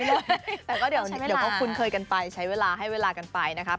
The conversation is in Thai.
แต่ก็เดี๋ยวก็คุ้นเคยกันไปใช้เวลาให้เวลากันไปนะครับ